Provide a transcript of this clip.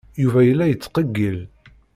Yuba yella yettqeyyil.